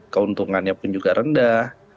keuntungannya pun juga rendah